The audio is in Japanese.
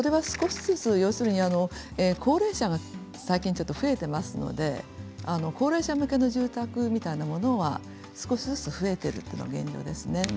要するに高齢者が最近増えていますので高齢者向けの住宅というものが少しずつ増えているのが現状です。